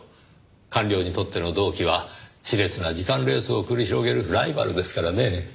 官僚にとっての同期は熾烈な次官レースを繰り広げるライバルですからねぇ。